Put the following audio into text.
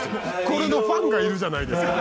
「これのファンがいるじゃないですか」